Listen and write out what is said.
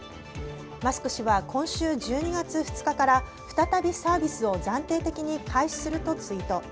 マスク氏は今週１２月２日から再びサービスを暫定的に開始するとツイート。